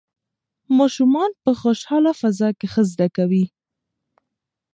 ماشومان په خوشحاله فضا کې ښه زده کوي.